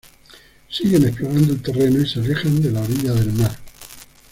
Siguen explorando el terreno y se alejan de la orilla del mar.